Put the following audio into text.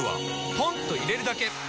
ポンと入れるだけ！